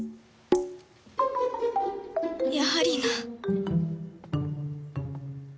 やはりな